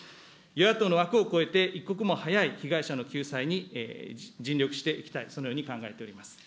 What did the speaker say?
与野党の枠を超えて、一刻も早い被害者の救済に尽力していきたい、そのように考えております。